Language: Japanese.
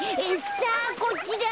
さあこっちだ！